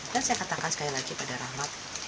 dan saya katakan sekali lagi pada rahmat